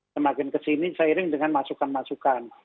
semakin kesini seiring dengan masukan masukan